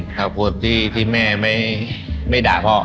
ขอโทษที่แม่ไม่ด่าพ่อ